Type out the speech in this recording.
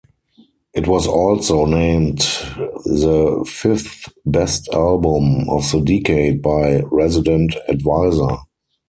It was also named the fifth best album of the decade by "Resident Advisor".